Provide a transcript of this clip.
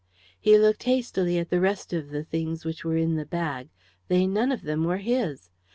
He looked hastily at the rest of the things which were in the bag they none of them were his.